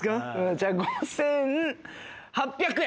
じゃあ５８００円。